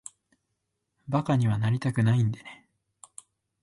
馬鹿にはなりたくないんでね。